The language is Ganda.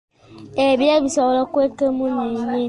Ebire bisobola okukweka emunyeenye.